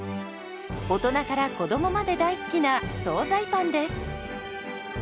大人から子どもまで大好きな総菜パンです。